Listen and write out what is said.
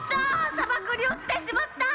さばくにおちてしまった！